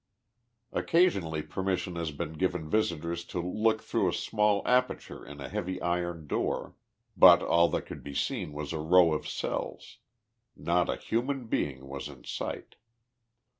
Occasionally permission has been given visitors to look through a small aperture in a heavy iron door, but all that could be seen was a row of cells. Xot a human being was in sight.